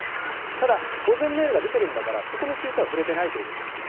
ただ、保全命令が出てるんだから、そこについては触れてないということですね。